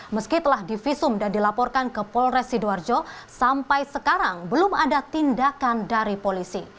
meski telah divisum dan dilaporkan ke polres sidoarjo sampai sekarang belum ada tindakan dari polisi